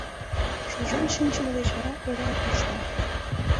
Шужен шинчыме деч вара эреак коршта...